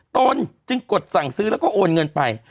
ตนจึงกดสั่งซื้อแล้วก็โอนเงินไป